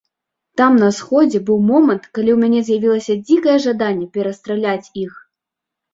Там на сходзе быў момант, калі ў мяне з'явілася дзікае жаданне перастраляць іх.